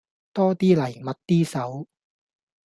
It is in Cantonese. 多啲嚟密啲手